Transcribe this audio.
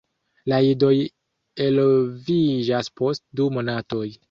La idoj eloviĝas post du monatoj.